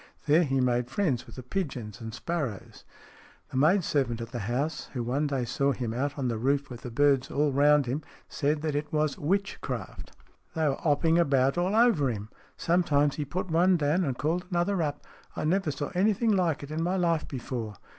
There he made friends with the pigeons and sparrows. The maid servant at the house, who one day saw him out on the roof with the birds all round him, said that it was witchcraft. " They were 'opping about all over 'im. Some times he put one down and called another up. I never saw anything like it in my life before."